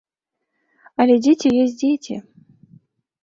Але дзеці ёсць дзеці.